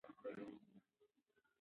د کافین اندازه د چای ډول پورې اړه لري.